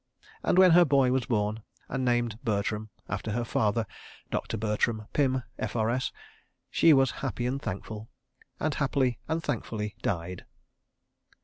And when her boy was born, and named Bertram after her father, Dr. Bertram Pym, F.R.S., she was happy and thankful, and happily and thankfully died.